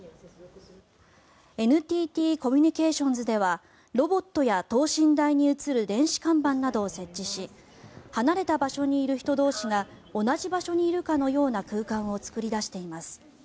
ＮＴＴコミュニケーションズではロボットや等身大に映る電子看板などを設置し離れた場所にいる人同士が同じ場所にいるかのような空間を作り出しています。